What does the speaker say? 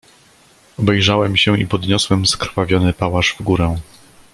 "Obejrzałem się i podniosłem skrwawiony pałasz w górę."